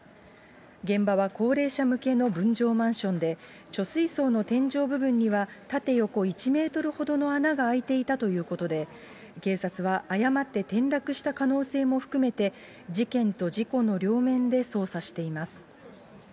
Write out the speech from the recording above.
現場は高齢者向けの分譲マンションで、貯水槽の天井部分には、縦横１メートルほどの穴が開いていたということで、警察は誤って転落した可能性も含めて、事件と事故の両面で捜査しています。